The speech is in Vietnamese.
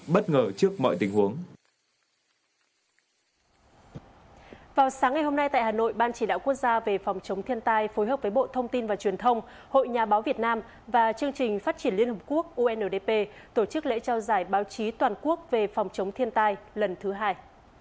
bộ thông tin phát triển liên hợp quốc undp tổ chức lễ trao giải báo chí toàn quốc về phòng chống thiên tai lần thứ hai